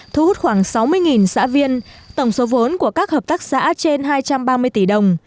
thu hút khoảng sáu mươi xã viên tổng số vốn của các hợp tác xã trên hai trăm ba mươi tỷ đồng